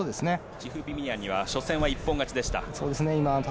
チフビミアニは初戦は一本勝ちでした。